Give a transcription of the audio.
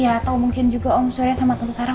ya atau mungkin juga om surya sama tante sarah